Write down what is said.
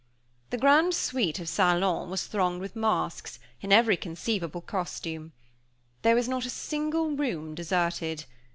The grand suite of salons was thronged with masques, in every conceivable costume. There was not a single room deserted.